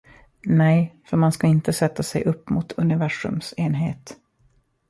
Nej, för man ska inte sätta sig upp mot universums enhet.